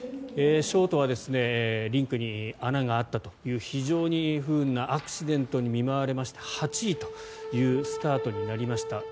ショートはリンクに穴があったという非常に不運なアクシデントに見舞われまして８位というスタートになりました。